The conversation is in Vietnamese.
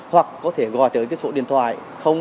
hoặc có thể gọi tới cái số điện thoại hai